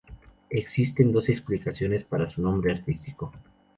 Existen dos explicaciones para su nombre artístico.